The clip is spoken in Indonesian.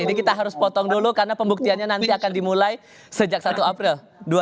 kita harus potong dulu karena pembuktiannya nanti akan dimulai sejak satu april dua ribu dua puluh